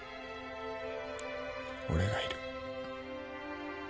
俺がいる。